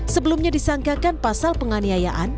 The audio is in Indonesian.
sebelumnya disangkakan pasal penganiayaan